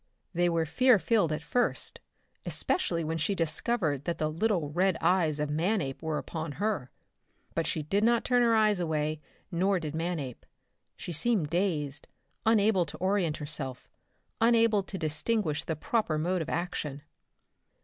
They were fear filled at first, especially when she discovered that the little red eyes of Manape were upon her. But she did not turn her eyes away, nor did Manape. She seemed dazed, unable to orient herself, unable to distinguish the proper mode of action.